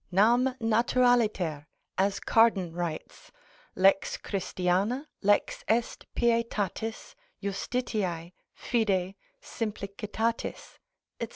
Nam naturaliter (as Cardan writes) lex Christiana lex est pietatis, justitiae, fidei, simplicitatis, &c.